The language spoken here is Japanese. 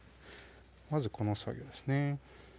まずこの作業ですね